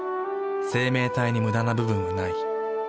生命体にムダな部分はない。